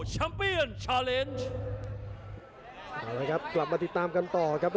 โหโหโหโหโหโหโหโหโหโหโหโหโหโหโห